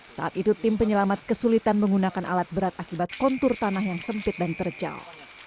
saat itu tim penyelamat kesulitan menggunakan alat berat akibat kontur tanah yang sempit dan terjal